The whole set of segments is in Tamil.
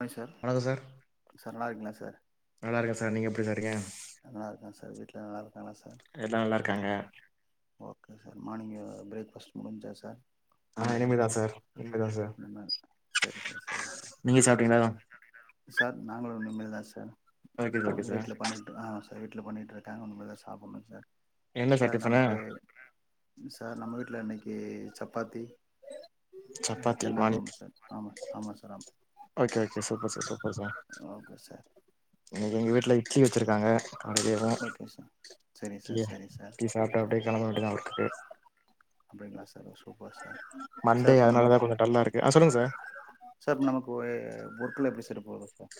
ஹாய் சார் சார் நல்லா இருக்க்கீங்களா சார் நல்லா இருக்கேன் சார் நீங்க எப்படி சார் இருக்கீங்க நல்லா இருக்கங்க சார் வீட்ல நல்லா இருக்காங்களா சார் எல்லா நல்லா இருக்காங்க okay sir morning breakfast முடிஞ்சா சார் ஆ இனிமேல் தானா இனிமேதா சார் இனிமேதா சார் இனிமேல் சரி சார் சரி சார் நீங்க சாப்பிடி சார் நாங்களு இனிமே தா சார் ஓகே ஓகே உங்க சார் வீட்ல பண்ணிடு ஆ சார் வீட்ல பண்ணிட்டுயிரு நானு இனிமேதா சாப்புனு சார் என்ன சார் டிஃபனு நமக்கு சார் நம்ம வீட்ல இன்னைக்கு ஏ சப்பாத்தி செ சப்பாத்தி சென்னா மார்னிங் கொழம்பு சார் ஆமா ஆமா சார் ஆமா okay okay super sir super sir okay sir இன்னிக்கு எங்க வீட்ல இட்லி வச்சிருக்காங்க ஆ அவனுக்கேதா ஓகே சார் சரி சார் கிய சரி சார் இட்டிலி சாப்ட்டா அப்பிடியே கெளம்ப வேண்டியதா [unintelligible] அப்பிடிங்களா சரோஸ் சூப்பர் சார் சார் மண்டே இப்ப நம்ம அதனாலதா கொஞ்சோ டல்லா இருக்கு ஆ சொல்லுங்க சார் சார் நமக்கு ஓ எ ஒர்க்ளா எப்பிடி சார் த்துட்டு போவோ சார்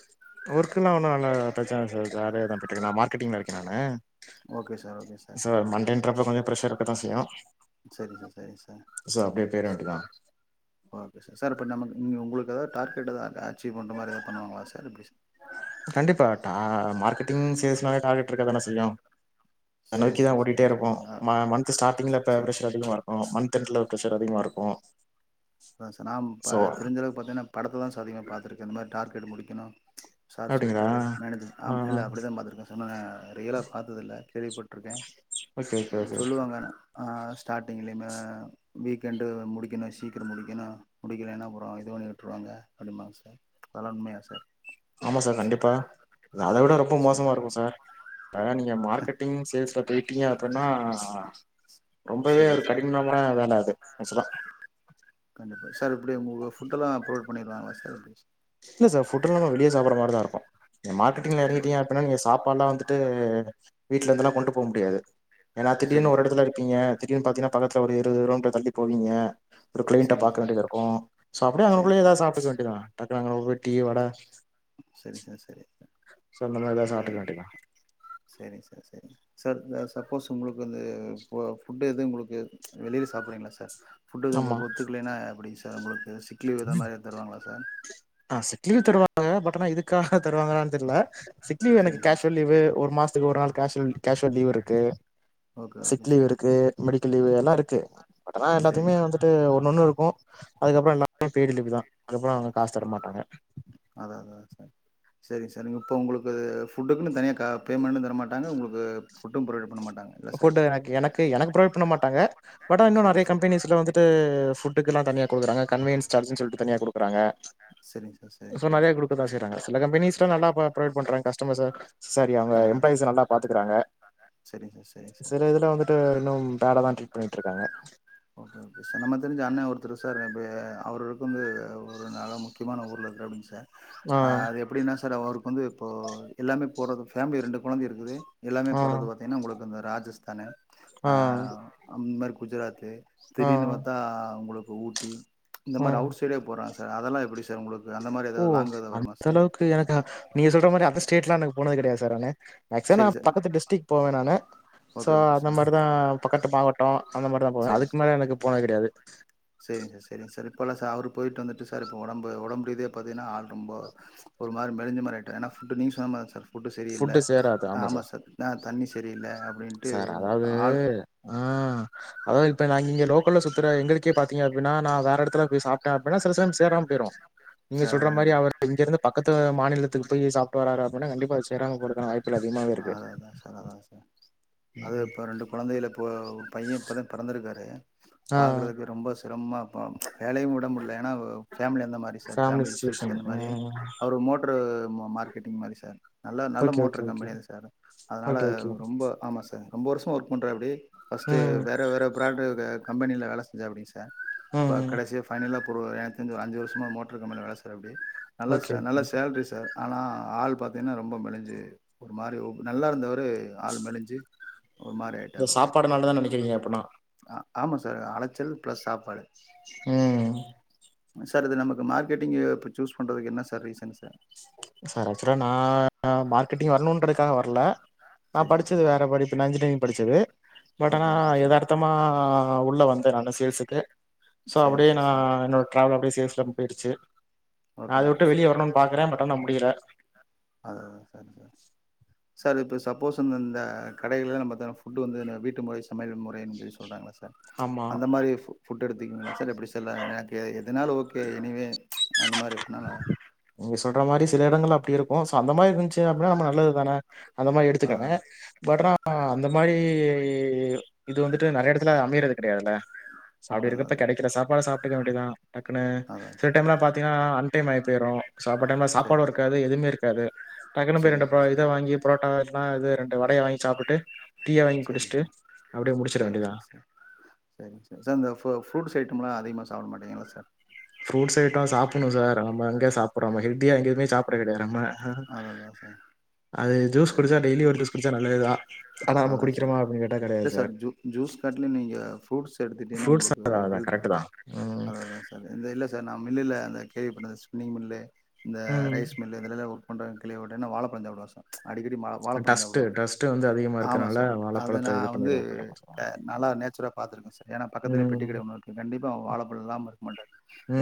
ஒர்க்க எல்லா ஒன்னு நல்லா பிரச்சன இல்ல சார் ஜாலியாதா போய்டுருக்கு நா மார்கெட்டிங்ல இருக்கே நானு okay sir okay sir so மண்டேன்றப்ப கொஞ்சோ ப்ரெஷர் இருக்கதா செய்யு சரி சார் சரி சார் சோ அப்டியே போயிர வேண்டியதா ஓகே சார் சார் இப்ப நம்ம உங்க உங்களுக்கு எதா டார்கெட் எதா அச்சீவ் பண்ணற மாரி எதா பண்ணுவாங்களா சார் எப்பிடி சார் கண்டிப்பா டா மார்கெட்டிங் சேல்ஸ்னா டார் இருக்கதான செய்யு அ சேரி நோக்கிதா சார் ஓடிட்டே சேரி சார் இருப்போ ஆ மன்த் ஸ்டார்டிங்ல இப்ப சேரி ப்ரெஷர் அதிகமா இருக்கு மந்த் எண்டுல வேல அதிகமா இருக்கு ஆமா சார் நாம் பா சோ தெரிஞ்சளவுக்கு பாத்தீங்கன்னா படத்துலதா சார் அதிகமாக பாத்துருக்க இந்த மாரி டார்கெட் முடி க்கனு ம்ச் சார் அப்டிங்களா சொல்லிட்டாரு மேனேஜர் ஆ ஆம் இல்ல அப்டித்தாம் பாத்துருக்க சார் இன்னு நா ரியலா பாத்ததில்ல கேள்விப்பட்டுருக்க ஓகே ஓகே ஓகே சொல்லுவாங்க ஆ ஸ்டார்டிங்லியுமே வீக்கெண்டு முடிக்கணு சீக் சீக்குறோ முடிக்கணு முடிக்கலைன்னா அப்புறோ இது பண்ணி விட்டுருவாங்க அப்டிம்பாங்க சார் அதுலா உண்மையா சார் ஆமா சார் கண்டிப்பா அத விட ரொம்ப சேரி மோசமா இருக்கு சார் டா நீங்க மார்கெட்டிங் சேல்ஸ்ல கெட்டியாப்பன் ன்னா ரொம்பவே சரிங்க ஒரு சார் கடினமான வேல அது ஏக்சுவலா கண்டிப்பா சார் எப்டி உங்களுக்கு ஃபுட்டெல்லா [unintelligible] பண்ணிடுவாங்களா சார் எப்டி இல்ல சார் ஃபுட் எல்லா நம்ம வெளிய சாப்புடுற மாரிதா இருக்கு இந்த மார்கெட்டிங்ல எப்டி எறங்கிட்டிங்க அப்டினா நீங்க சாப்பாடுலா வந்துட்டு அ வீட்ல இருந்தெல்லா கொண்ட்டு போக முடியாது ஏன்னா திடீர்னு சரிங்க ஒரு சார் எடத்துல இருப்பீங்க தீடீர்னு பாத்தீங்கன்னா பக்கத்துல ஒரு இருவது கிலோமீட்டர் தள்ளி போவீங்க ஒரு கிளைண்ட்ட சரிங்க பாக்க சார் வேண்டியதா இருக்கு சோ அப்டியே சரிங்க அங்கனக்குள்ளயே சார் எதாவது சாப்டுக்க வேண்டிதா நாங்க [unintelligible] டீ வட சரி சார் சரி சோ இந்த மாரி எதாவது ஆ சாப்டுக்க வேண்டிதா சரிங்க சார் சார் இந்த சப்போஸ் உங்களுக் வந்து போ ஃபுட் ஃபுட்டு எது உங்களுக்கு ம்ச் வெளியில சாப்புறீங்களா சார் ஃபுட் எது ஆமா உங்களுக்கு ஒத்துக்கலைனா எப்டி சார் உங்களுக்கு சிக்லீவ் இது மாரி எது தருவாங்களா சார் ஆ சிக் லீவ் தருவாங்க பட் ஆனா இதுக்காக தருவாங்களான் தெர்ல சிக் லீவு எனக்கு சரிங்க கேஷுவல் சார் லீவு ஒரு மாசத்துக்கு ஒரு நாள் கேஷுவல் கேஸ் ஸ்வல் லீவ் இருக்கு okay okay sick leave sir இருக்கு மெடி மெடிக்கள் லீவ் எல்லா இருக்கு பட் ஆனா எப்பயுமே சரிங்க சார் வந்துட்டு ஒன்ஒன்னு இருக்கு அதுக்கப்புறோ நா பேடி லிப்பு தா அதுப்புறோ அவங்க காசு தர மாட்டாங்க அதான் அதான் சார் சரிங்க சார் நீங்க இப்ப உங்களுக்கு ஃபுட்டுக்குன்னு தனியா ஆ பேமெண்ட்டு தர மாட்டாங்க உங்களுக்கு அ ஃபுட்டும் புறவைட் பண்ண மாட் ஃபுட் எனக்கு எனக்கு எனக்கு பரொவைட் பண்ண மாட்டாங்க பட் அ இன்னு சரிங்க நறைய சார் கம்பெனிஸ்ல வந்துட்டுட் ஃபுட் இதுக்கு எல்லாம் தனியா குடுக்றாங்க கன்வேன்ஸ் சார்ஜரு னு சொல்லி தனியா கொடுக்ராங்க சரிங்க சார் சரிங்க சோ சார் நிறைய குடுக்கதா செய்றாங்க சில கம்பெனிஸ் ளா நல்லா ப்ரொவைட் பண்றாங்க கஸ்டமர்ஸ் சாரி அவங்க ஆ எம்ப்ளாயிஸ நல்லா பாத்துக்கறாங்க சரிங்க சார் சரிங்க சார் சில இதுல வந்து த்த இன்னு பேடா தா ட்ரீட் பண்ணிட்டு இருக்காங்க ஓகே ஓகே சார் நம்ம தெரிஞ்ச அண்ணன் சார் இப்போ அவர்களுக்கு வந்து ஒரு நல்லா முக்கியமான ஊர்ல இருக்கிறவங் சார் ஆ அது எப்படின்னா சார் ஒருக் இப்போ வந்து இப்போ எல்லாமே போரது ஃபேமிலி ரெண்டு கொழந்த இருக்குது எல்லாமே ஆ போறது பார்த்தீன்னா உங்களுக்கு அந்த ராஜஸ்தானு ஆ அ இந்த மாதிரி குஜராத்து ஆ திடிர்னு பாத்தா உங்களுக்கு ஊட்டி இந்த ஆ மாதிரி அவுட் சைடே போறான் ஸ் சார் அதெல்லா எப்டி சார் உங்களுக்கு அந்த மாரி ஓ ஏதாவது லாங் ஏதாவது வருமா அந்த சார் அளவுக்கு எனக்கு நீ சொல்ற மாரி அந்த ஸ்டேட்லா எனக்கு போனது கிடையாது சார்னானு மேக்சிமம் நா சரி சார் பக்கத்து டிஸ்டிக் போவே நா அனே சோ ஓகே ஓகே அந்த சார் மாதிரிதா பக்கத்து மாவட்டோ அந்த மாதிரிதா போ அதுக்கு மேல எனக்கு போனது கடையாது செரிங்க சார செரிங்க சார் இப்பல்லா சார் அவரு போயிட்டு வந்துட்டு சார் இப்ப ஒடம்பு ஒடம்ரீதியா பாத்தீங்கன்னா ஆள் ரொம்ப ஒரு மாதிரி மெலிஞ்சமா ஆயிட்டு ஏனா ஃபுட்டு நீங்க சொன்ன மாரி தா சார் புட்டு செரியில்ல ஆமா சார் ஆ தண்ணி செரியில்லை அப்டின்ட்டு ஆள் அதான் இப்ப நாங்க இங்க லோக்கல்ல சுத்துற எங்களுக்கு பாத்தீங்கன நா நான் வேற இடத்துல போய் சாப்ட்டேன் அப்டின சில டைம் சேராம போயிடும் நீங்க சார் சொல்ற அதா மாதிரி இங்கிருந்து பக்கத்துல மாநிலத்தில எடதுக்கு போய் சாப்ட்டு வராரு அப்டினா கண்டிப்பா தெரியாம போட்டுட்டான்னா அதான் சார் அதான் சார் அது இப்போ ரெண்டு கொழந்தைகள் இப்போ பையன் இப்ப தான் பொறந்திருக்கான் றாரு ஆ பாக்கறதுக்கு ரொம்ப சிரமம் க்கும் வேலயும் விட முடியல வேணா பேமிலி அந்த மாதிரி sir family family issues situation அந்த மாதிரி ம் அவர் மோட்டரு மார்க்கெட்டிங் மாதிரி சார் நல்ல நல்ல okay motor okay okay company அது சார் அதனால ஓகே ஓகே ரொம்ப ஆமா சார் ரொம்ப வருஷம் ஒர்க் பண்றாபடி பர்ஸ்ட்டு ம் வேற வேற பிராண்டு கம்பனியில் வேல செஞ்சாபடிங்க சார் ம் ம் கடைசியா பைனலா ஒரு எனக்கு தெரிஞ்சு அஞ்சு வருஷமா மோட்டர் கம்பெனில வேல செய்றபடி சார் அப்படி நல்லா ஓகே சார் நல்ல ஓகே சேல்றி சார் ஆனா ஆள் பாத்திங்கன்னா ரொம்ப மெலிஞ்சு மாதிரி நல்லா இருந்தவரு ஆள் மெலிஞ்சு ஒரு மாரி இந்த ஆயிட்டாப்டி சாப்பாடுனாலதான் நனைக்கக்கீங்க அப்பனா ஆமாம் சார் அலச்சல் ப்ளஸ் சாப்பாடு உம் சார் இது நமக்கு மார்க்கெட்டிங்க் இப்போ சூஸ் பண்ணுறதுக்கு என்ன சார் ரீசன் சார் சார் ஆக்சுவலா நான் மார்க் கெட்டிங்க வரணூன்றகாக வரல நா சரிங்க படித்தது சார் வேறு படிப்புன இன்ஜினியரிங் படித்தது பட் ஆனா ஓகே ஓகே சார் எதாத்தமா உள்ளே வந்து த்து நாங்க சேல்சுக்கு சோ சரிங்க அப்டியே சார் நா சரி என்னோட டிராவல் அப்டியே சேல்ஸ் டப் போயிருச்சு நா அத உட்டு வெளிய வரனுன் பாக்குற ப அதுதா சேரி சேரி சேரிப் ப்ப சப்போஸ் அந்தந்த கடைலலா நம்ம தர ஃபுட்டு வந்து வீட்டு நா முறை சமையல் முறைன்ட்டு சொல்றாங்கள்ல சார் ஆமா அந்த மாரி ஃபு ஃபுட் எடுத்தீங்களா சார் எப்டி செல்லா எனக் ஏ எது அதனால ஓகே எனிவே அந்த மாரி எப்பனாலு நீங்க சொல்ற மாரி சில இடங்கள்ல அப்டி இருக்கு சோ அந்த மாரி இருஞ்சு அப்டின்னா நம்ம நல்லது தான அந்த மாரி எடுத்துக்கங்க அதான் பட் ஆனா அந்த மாரி இது வந்துட்டு நறையா எடத்துல அமையிறது கெடையாதுல்ல சாப்பாடு அதான் இருக்கப்ப அதான் கெடைக்கிற சாப்பாடு சாப் சாப்டுக்க வேண்டியதா டக்குன்னு அதான் சில சார் டைம் எல்லா பாத்தீங்கன்னா அன் டைம் ஆயி போயிரு சாப்பாட்டு டைம்ல சரி சாப்பாடு இருக்காது எதுமே இருக்காது டக்குன்னு போய் ரெண்டு சரிங்க போ இத சார் வாங்கி புரோட்டா எல்லா இது ரெண்டு வடைய வாங்கி சாப்டுட்டு டீய வாங்கி சார் சரிங்க குடுச்சுட்டு சார் அப்டியே முடுச்சுட சரிங்க வேண்டியதா சார் சார் சாப்ட மாட்டீங்களா சார் ஃப்ரூட்ஸ் ஐட்டோ சாப்புணு சார் நம்ம எங்க சாப்புடுறோம்மா ஹெல்தியா எங்கேயுமே சாப்புடறதே கெடையாது நம்ம அதான் அதான் சார் அது ஜூஸ் குடுச்சா டெய்லி ஒரு ஜூஸ் குடுச்சா நல்லதுதா அதா சார் இல்ல சார் ஜூ ஜூஸ் கட்ல நீங்கஃப் ஃப்ரூட்ஸ் எடுத்துகிட்டீனா ஃப்ரூட்ஸ் உங்களுக்கு அதான் அதான் ஹெல்து கரெக்ட்டு தான். ம். அதுதா சார் இந்த இல்ல சார் நா மில்லுல அந்த கேவி பண்ணத ஸ்விங் மில்ல இந்த ம். ரைஸ் மில்லு இதுலெல்லா ஒர்க் கொன்ற கிழியோட நா வாழப்பழஞ் சாப்புடுவ சார் ம்ச் டஸ்ட்டு டஸ்ட்டு வந்து அதிகமா இருக் ஆமா சார் அதுல நா வந்து சார். நால்லா நேச்சுரா பாத்துருக்க சார் ஏன்னா பக்கத்துலயே ம். பெட்டிக்கடை ஒன்னு இருக்கு கண்டிப்பா அவுங்க வாழப்பழோ இல்லாம இருக்க மாட்டார்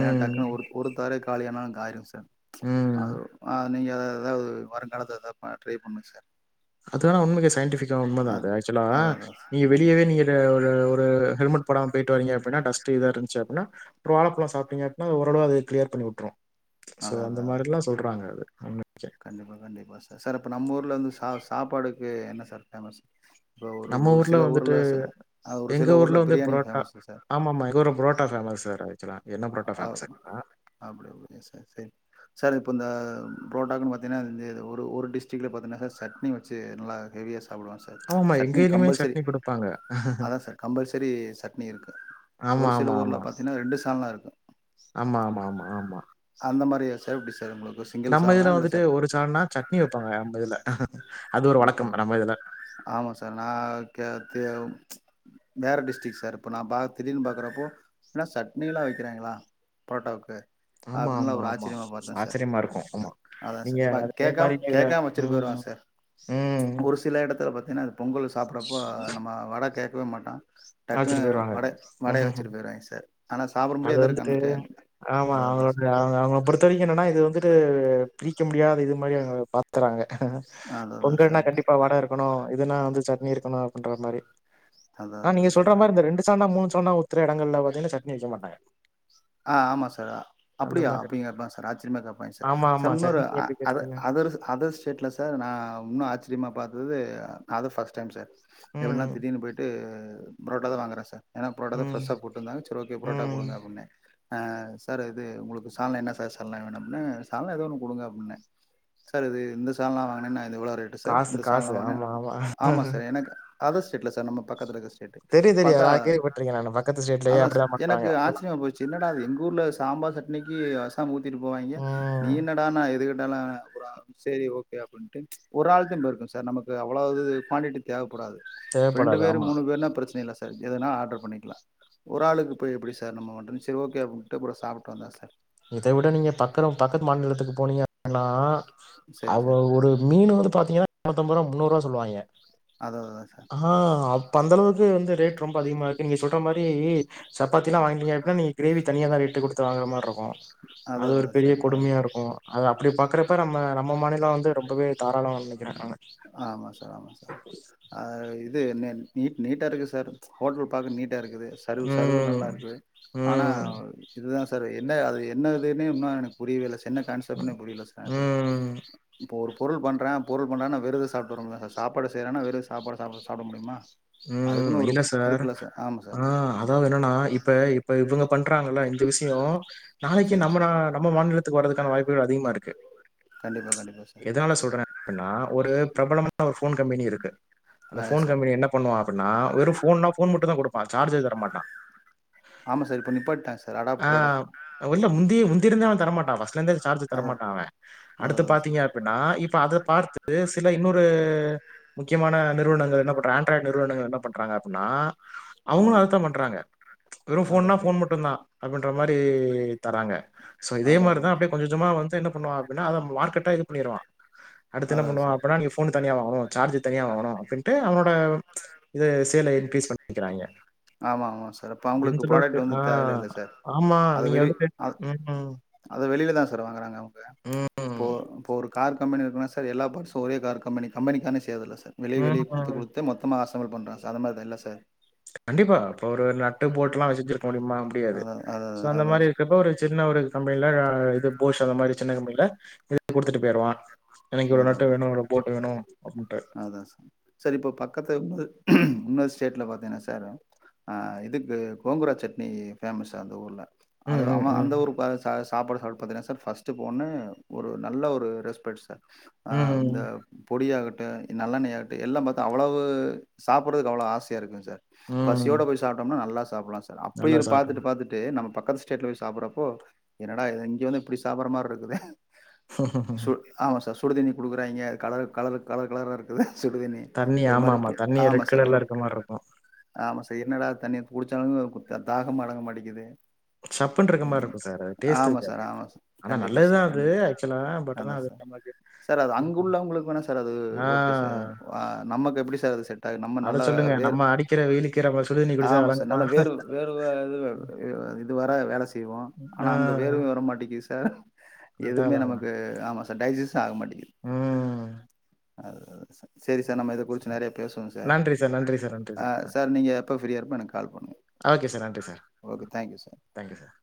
ஏன்னா டக்குன்னு ஒரு ஒரு தர காலைய ஏன்னாங் ஆயிரு சார் ம். அது அ நீங்க எதா எதாது வருங்காலத்து எதா ட்ரை பண்ணுங்க சார் அதான உண்மைக்கு சைன்டிஃபிக் கிஜோ உண்மதா அது ஆக்சுலா அதான் நீங்க அதான் வெளியவே சார் நீங்கட ஒரு ஒரு ஹெல்மெட் போடாம் போயிட்டு வரீங்க அப்பின்னா டஸ்ட் இதா இருச்சி அப்பின்னா வாழப்பளோ சாப்ட்டீங்க அப்பிடின்னா ஓரளவு அது கிளியர் பண்ணிவிட்ரு அத அத அத கண்டிப்பா கண்டிப்பா சார் சார் அப்ப நம்ம ஊர்ல வந்து சா ஆ சாப்பாடுக்கு என்ன சார் ஃபேமஸ் இப்போ ஒரு நம்ம ஒரு ஊர்ல சில வந்துட்டு ச அ ஒரு எங்க சில ஊர்ல வந்து பிரியாணி புரோட்டா ஃபேமஸ் சார் ஆமா ஆமா எங்க புரோட்டா பேமஸ் சார் ஆக்சுலா என்ன பரோட்டா அ பேமஸாக்னா அப்படி அப்படியா சார் சரி சார் இப்போ இந்த புரோட்டாக்குனு பாத்திங்கன்னா அ இந்த இது ஒரு ஒரு டிஸ்டிக்டில பாத்தங்கனா சட்னி வச்சி நல்ல ஹெவியா சா சாப்பலா சார் ஆமாமா சட்னி எங்கயிலயுமே கம்பல்சரி சட்னி குடுப்பாங்க. அதா சார் கம்பல்சரி சட்னி இருக்கு ஆமா, ஒரு சில ஆமா, ஊர்ல ஆமா. பாத்தீங்கன்னா ரெண்டு சால்லா இருக்கு ஆமா, ஆமா, ஆமா, ஆமா. அந்த மாரியா சார் எப்பிடி சார் உங்களுக் நம்ம இதுல வந்துட்டு ஒரு சால்னா சட்னி வைப்பாங்க நம்ம இதுல அது ஒரு ஓகே வழக்கம் ஓகே நம்ம இதுல ஆமா சார் நா கே தே வேறு டிஸ்டிக் சார் இப்ப நா ப திடீர்னு பாக்கறப்போ எனா சட்னியிலா வைக்கிறாங்களா புரோட்டாக்கு ஆமா, அப்பில்லா ஆமா, ஒரு ஆமா. ஆச்சரியமா பத்தே சார் ஆச்சரியமா இருக்கும். ஆமா. அதான் நீங்க சார் அதே கேட்காம மாரி நீங்க கேட்காம வச்சிட்டு போயிருவா ம், சார் ம். ஒரு சில எடத்துல பாத்தீன்னா பொங்கல் சாப்படப்போ நம்ம வட கே க்க மாட்டா டக்குன்னு அழைச்சுட்டு போயிருவாங்க. வட வடையை ம்ஹ்ஹ்ம். வச்சிட்டு போயிருவாங்க சார் ஆனா சாப்பிட முடியுத இருக்கு அந்தடே ம்மா அவுங்களோட அவுங்க அவங்க பொறுத்த வரைக்கு இன்னன்னா இது வந்துட்டு ஆ பிரிக்க முடியாத இது மாரி அவுங்க பாத்தறாங்க அதா அதா பொங்கல்னா சார் இப்போ கண்டிப்பா வட இருக்கணு இதுனா வந்து சட்னி இருக் தோணா பண்ற மாரி அதா ஆ அதா நீங்க அதா சொல்ற மாரி இந்த ரெண்டு சால்னா மூணு சால்னா உத்ற இடங்கள்ல வந் தின்ன சட்னி வைக்கமாட்டாங்க ஆ ஆமா சார் அப்பிடியா மாரி அப்பிடிங்க கேப்பங்க சார் ஆச்சரியமா கேப்பாங்க சார் ஆமா ஆமா சம் இன்னொரு சட்னி எப்டி அதர் பேசுவீங்க அதர்ஸ் அதர்ஸ்டேட்ல சார் நா இன்னு ஆச்சரியமா பா இது இது அது ஃபஸ்ட் டைம் சார் எப்பினா ம் திடீர்னு போயிட்டு புரோட்டாதா வாங்கறே சார் ஏன்னா புரோட்டாதா ம் ஃபிரெஷா போட்டுந்தாங்க சர் ஓகே புரோட்டா ம் குடுங்க அப்பிடின்ன ஆஹ் சார் இது உங்களுக்கு சால்னா என்ன சார் சால்னா வேணும் அப்படினாக சாலனா ஏதோ ஒன்னு கொடுங்க அப்படின்ன சார் இது இந்த சாலனா வாங்கனேன்னா எவ்ளோ ரெட் சார் காசு இந்த காசு சால்னாவா ஆமா ஆமா சார் எனக்கு அதர்ஸ்டேல சார்பக்கத்தில சார் தெரியு தெரியு நா கேள்விப்பட்டிருக்கே நானு பக்கத்து ஸ்டேட்லயே அப்டிதா எனக்கு பண்றாங்க ஆனா ஆச்சியமா போச்சு அது எங்க ஊர்ல சாம்பார் சட்னிக்கு வசமி போவாங்க நீ ம் என்னடா நா எது கேட்டாலும் அப்புறம் செரி ஓகே அப்படின்ட்டு ஒரு நாள்கு இருக்கும் சார் நமக்கு அவ்வளவுது குவான்டிட்டி தேவை கூடாது ரெண்டு தேவப்படாது பேர் ஆமா மூணு பேர்னா பிரச்சன இல்ல சார் எதனா ஆர்டர் பண்ணிக்கலாம் ஒரு ஆளுக்கு போய் எப்படி சார் நம்ம வந்து சரி ஓகே அப்டினுடு அப்றோம் சாப்ட்டு வந்தான் சார் இதை விட நீங்க பக்கறம் பக்கத்து மாநிலத்துக்கு போனீங்கன்னா சரிங்க அங்க சார் ஒரு மீன் வந்து பாத்தீங்கன்னா நூற்று அம்பது ரூபா முன்னூறுபா சொல்லு வாங்கய்ய அதா அதா சார் ஆஹ் அப் ப்ப அந்தளவுக்கு வந்து ரேட் ரொம்ப அதிகமா இருக்கு நீங்க சொல்ற மாரி சப்பாத்திலாம் சரி வாங்கினீங்க அப்டினா நீங்க கிரேவி தனிய தான் ரேட்டு கொடுத்து தான் வாங்குற மாறி இருக்கும் அதா அது ஒரு அதா பெரிய சார் கொடுமையா இருக்கும் அது அப்படி பாக்குறப்ப நம்ம நம்ம மாநிலம் வந்து ரொம்பவே தாரளமா வே ஆமா சார் ஆமா சார் அஹ இது என்ன நீட் நீட்டா இருக்கு சார் ஹோட்டல் பாக்க நீட் இருக்குது சருவு சருவு ம் நல்லா இருக்குது ஆனா ம் இதுதான் சார் சார் என்ன அது என்னதுன்ன இன்னும் எனக்கு புரியவே இல்லை சார் என்ன கான்செப்ட்னே புரியல எனக்கு ம் இப்ப ஒரு பொருள் பண்றேன் பொருள் பண்றான வெருது சாப்பிட்டு வ சாப்பாடு செய்றதுனா வெறும் சாப்பாடா சாப்ப சாப்புட முடியுமா உம் அதுக்குன்னு ஒரு இல்ல சார் இருக்குல்ல ஆமா சார் ஆஹ் அதாவது என்னன்னா இப்ப இப்ப இவங்க பண்றாங்கள இந்த விஷய ஹலோ நாளைக்கு சரிங்க நம்ம சார் நம் மாநிலத்துக்கு வரதுக்கான வாய்ப்புகள் அதிகமா இருக்கு ஓகே கண்டிப்பா கண்டிப்பா சார் அபன்னா ஒரு பிரபலமான ஒரு போன் கம்பெனி இருக்கு அந்த ஆ எஸ் போன் சார் கம்பெனி என்ன ஆ அப்பன்னா வெறு ஃபோன்தா ஃபோன் மட்டு தா குடுப்பா சார்ஜர் தர மாட்டா ஆமா சார் இப்ப நிப்பாட்டாங்க சார் அடாப்டரோட உந்திருந்தவ தரமாட்டா வஸ் லந்தே சார்ஜர் தர அதா மாட்டா அவே அதா அடுத்து அதா பாத்தீங்க சார் அப்படின்னா இப்ப அத பார்த்து சில இன்னொரு முக்கியமான நிறுவனங்கள் என்ன பண்றாங்க ட்ர நிறுவனங்கள் என்ன பண்றாங்க அப்டின்னா அவுங்களு அதா அததா பண்றாங்க வெறு அதா ஃபோன்னா அதா ஃபோன் மட்டு தா அப்பின்ற மாரி தராங்க சோ இதே அதா மாரி அதா தா அப்டியே கொஞ்ச கொஞ்சமா வந்து என்னபண்ணுவா அப்டின்னா அவ மார்க்கெட்டே இது பண்ணிருவா அடுத்து என்ன அதா பண்ணுவா சார் அப்பனா நீ ஃபோன் தனியா வாங்கணு சார்ஜர் தனியா வாங்கனு அப்படின்ட்டு அவனோட இத சேல இன்கிரீஸ் பண்ணிக்கிறாங்க ஆமா ஆமா சார் அப்ப அவங்களுக்கு எந்த அளவுக்கு ப்ராடக்ட் வந்து ஆ தேவையில்ல இல்ல சார் ஆமா அத நீங்க வெளி வந்து அ உ உ அத வெளில தா சார் வாங்குறாங்க அவ போ போரு கார் கம்பனி இருக்குன்னா சார் எல்லா பட்ஸு ஒரே கார் கம்பனிம்க்கு கம்பெனிக்கார்னே செய்றது இல்ல சார் வெளிய வெலிய குடுத்து ம். குடுத்த மொத்தமா ஆஸ் சமள் பண்றா சார்அத மாரிதா இல்ல சார் கண்டிப்பா இப்ப ஒரு நட்டு போட்லா வச்செஞ்சிருக்க முடியுமா முடியாது அதா அதா சோ அதா அந்த அதா மாரி இருக்ப்ப ஒரு சின்ன ஒரு சம் இது இல்ல போஷ் அந்த மாரி சின்ன கமபெனில இ குடுத்துட்டு போயிருவா அத அதா அப்டின்ட்டு. அதா சார் சரி இப்ப பக்கத்து இன்னொரு ஸ்டேட்ல பாத்தீங்கன்னா சார் அ இதுக்கு கோங்குரா சட்னி ஃபேமஸ்ஸா அந்த ஊர்ல அது ம், ம், அவ ம். அந்த ஊரு [unintelligible] சாப்பாடு சாப்படு பாத்தீங்கன்னா சார் ஃபர்ஸ்ட் ஃபோன் ஒரு நல்ல ஒரு ரெஸ்பெக்ட் சார் அ இந்த ம், பொடியாகட் ஆ நல்லண்ணய அப்டி எல்லா பாத்தா அவ்வளவசாப்புடுறதுக்கு அவ்ளவு ஆசயா இருக்கு சார் ம். பசியோட போய் சாப்பிட்டோம்னா நல்லாஸ் சாப்லா சா அப்டி நல்லா பாத்துட்டு சாப்டுவோம். பாத்துட்டு நம்ம பக் பக்கத்து ஸ்டேட்லபோய் சாப்பிட்றப்போ என்னடா இங்க வந்து இப்படி சாப்பிடற மாரி இருக்குதீ ஆஹஹ சரர் சுடு தண்ணி குடுக்குறாங்க அது கலர் கலர் கலர் கலரா இருக்குது சுடு தண்ணி ஒரு மாரி ஆமாமா. தண்ணி ஆமா ரெட் சார் ஒரு கலர்ல இருக்க மாரி இருக்கும். ஆமா சார் என்னடா தண்ணி குடுச்சாலு தாகம் அடங்க மாட்டிங்குது சப்புன் இருக்குற மார் இருக்கு சார் அது டேஸ்ட்டு இருக்காது சார் ஆமா சார் ஆனா கண்டிப்பா நல்லதுதா சார் அது கண்டிப்பா ஏக்சுவலா பட் ஆனா அதான் அது சார் நம்ம சார் அது அங்குள்ளவங்களுக்கு வேணா சார் அது ஓகே ஆ. சார் ஆ நமக்கு எப்புடி சார் அது செட் ஆகு நம்ம அத நல்ல சொல்லுங்க. வேர் நம்ம அடிக்கிற வெயிலுக்கு நம்ம சுடுதண்ணி குடிச்சா ஆமா சார் விளங்குமா? நல்ல வேறு வேறுவ து வர வேலஸ் செய்வோ ஆனா ஆ அங்க வேர்வ வர மாட்டிக்குதுஸ் ஆ அதான், எதுமே அதான், அதான். நமக்கு ஆமாஸ் இந்த டைஜிஸ் ஆக மாட்டிக் ம் அதுதா சேரி சே சேரி சார் நம்ம இத குறுச்சு நறையா பேசுவோம் சார் நன்றி நன்றி சார், நன்றி ஆ சார் நீங்க எப்பப் ஃப்ரீயா இருப்ப எனக் ஓகே சார் நன்றி சார் ம் தேங்க்யூ சார் தேங்க்யூ சார்